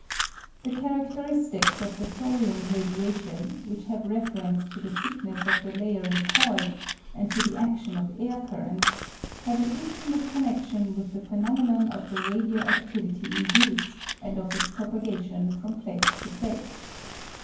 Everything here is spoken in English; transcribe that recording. The charadteristics of the thorium radiation, which have reference to the thickness of the layer employed and to the adlion of air currents, have an intimate connexion with the phenomenon of the radio activity induced, and of its propagation from place to place.